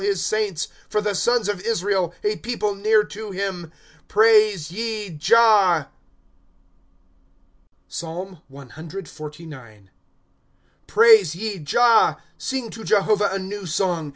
his saints, For the sons of Israel, a people near to him. Praise ye Jah, PSALM CSLIX. ^ Praise ye Jah. Sing to Jehovah a new song.